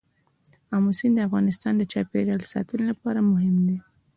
آمو سیند د افغانستان د چاپیریال ساتنې لپاره مهم دي.